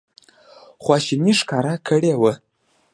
خواشیني ښکاره کړې وه.